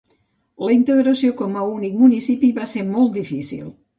La integració com a únic municipi va ser molt difícil.